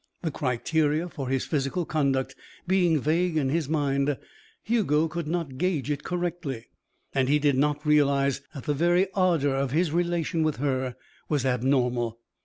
The criteria for his physical conduct being vague in his mind, Hugo could not gauge it correctly. And he did not realize that the very ardour of his relation with her was abnormal.